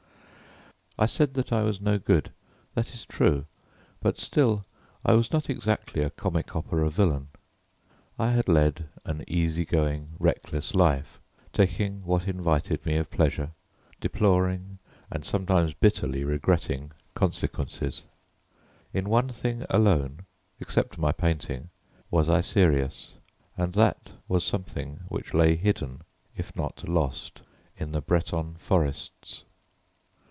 I said that I was no good. That is true, but still I was not exactly a comic opera villain. I had led an easy going reckless life, taking what invited me of pleasure, deploring and sometimes bitterly regretting consequences. In one thing alone, except my painting, was I serious, and that was something which lay hidden if not lost in the Breton forests.